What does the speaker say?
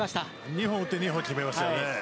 ２本打って２本決めましたよね。